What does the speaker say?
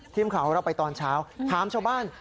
ทีมข่าวของเราไปตอนเช้าถามชาวบ้าน